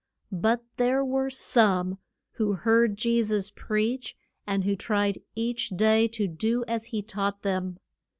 But there were some who heard Je sus preach, and who tried each day to do as he taught them.